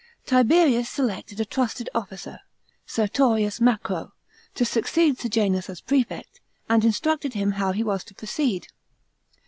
Tiberius selected a trusted officer, Sertorius Macro, to succeed Sejanus as prefect, and instructed him how he was to proceed.